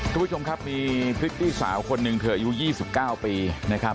คุณผู้ชมครับมีพริตตี้สาวคนหนึ่งเธออายุ๒๙ปีนะครับ